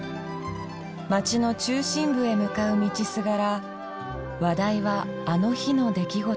街の中心部へ向かう道すがら話題はあの日の出来事に。